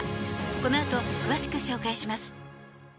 このあと詳しく紹介します。